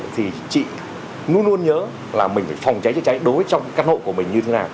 thì chị luôn luôn nhớ là mình phải phòng cháy chữa cháy đối với trong căn hộ của mình như thế nào